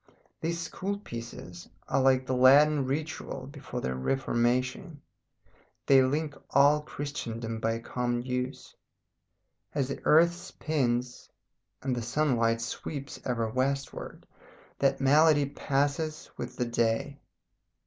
These school pieces are like the Latin ritual before the Reformation, they link all Christendom by a common use. As the earth spins, and the sunlight sweeps ever westward, that melody passes with the day.